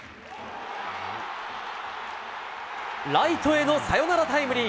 ライトへのサヨナラタイムリー！